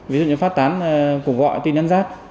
ví dụ như phát tán cuộc gọi tin nhắn rác